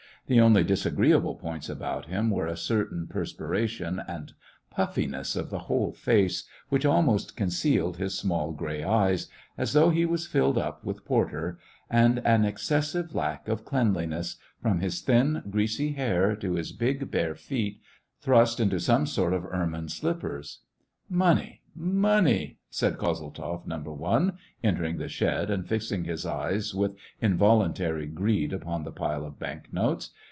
The only disagreeable points about him were a certain per spiration and puffiness of the whole face, which almost concealed his small gray eyes (as though he was filled up with porter), and an excessive lack of cleanliness, from his thin, greasy hair to his big, bare feet, thrust into some sort of ermine slippers. "Money, money!" said Kozeltzoff number one, entering the shed, and fixing his eyes, with invol. untary greed, upon the pile of bank notes.